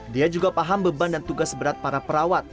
dia juga paham beban dan tugas berat para perawat